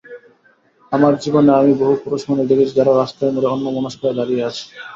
আমার জীবনে আমি বহু পুরুষ মানুষ দেখেছি যারা রাস্তার মোড়ে অন্যমনস্কা হয়ে দাঁড়িয়ে আছে।